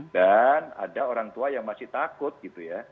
dan ada orang tua yang masih takut gitu ya